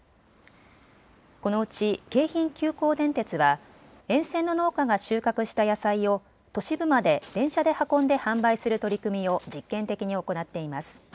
このうち京浜急行電鉄は沿線の農家が収穫した野菜を都市部まで電車で運んで販売する取り組みを実験的に行っています。